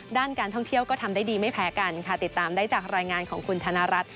ด้านการท่องเที่ยวก็ทำได้ดีไม่แพ้กันค่ะติดตามได้จากรายงานของคุณธนรัฐ